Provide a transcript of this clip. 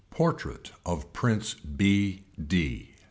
PORTRAIT OF PRINCE B.